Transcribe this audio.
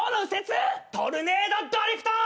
トルネードドリフト！